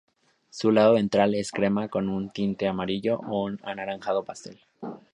Su lado ventral es crema con un tinte amarillo o anaranjado pastel.